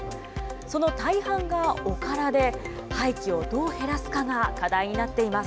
その大半がおからで、廃棄をどう減らすかが課題になっています。